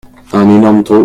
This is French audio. Un énorme trou.